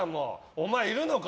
お前、いるのか？